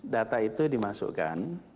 data itu dimasukkan